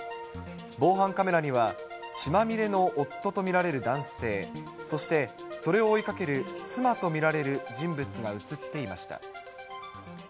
防犯カメラには、血まみれの夫と見られる男性、そしてそれを追いかける妻と見られる人物が写っていました。